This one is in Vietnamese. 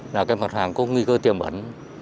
là mặt hàng có nguy cơ tiềm ẩn